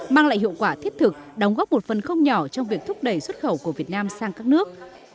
mang lại hiệu quả thiết thực đóng góp một phần không nhỏ trong việc thúc đẩy xuất khẩu của việt nam sang các nước